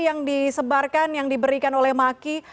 yang disebarkan yang diberikan oleh maki